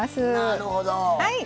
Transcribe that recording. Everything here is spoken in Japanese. なるほど！